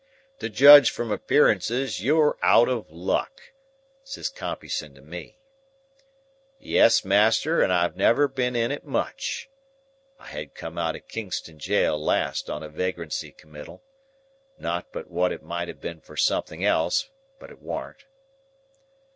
"'To judge from appearances, you're out of luck,' says Compeyson to me. "'Yes, master, and I've never been in it much.' (I had come out of Kingston Jail last on a vagrancy committal. Not but what it might have been for something else; but it warn't.)